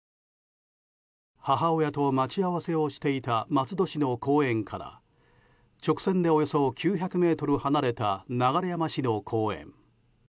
母親と待ち合わせをしていた松戸市の公園から直線でおよそ９００ｍ離れた流山市の公園。